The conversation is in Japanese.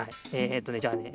えっとねじゃあね